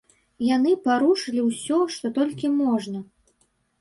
Яны парушылі ўсё, што толькі можна.